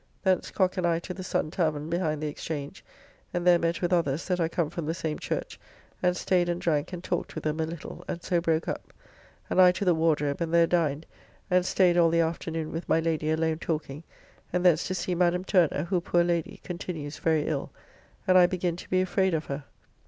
Thence Cocke and I to the Sun tavern behind the Exchange, and there met with others that are come from the same church, and staid and drank and talked with them a little, and so broke up, and I to the Wardrobe and there dined, and staid all the afternoon with my Lady alone talking, and thence to see Madame Turner, who, poor lady, continues very ill, and I begin to be afraid of her.